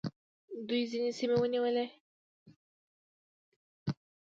دوی ځینې سیمې ونیولې